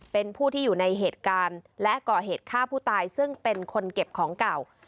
เป็นผู้ที่อยู่ในเหตุการณ์และก่อเหตุฆ่าผู้ตายซึ่งเป็นคนเก็บของเก่า